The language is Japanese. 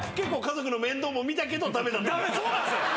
そうなんですよ！